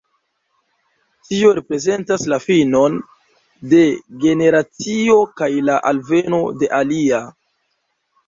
Tio reprezentas la finon de generacio kaj la alveno de alia.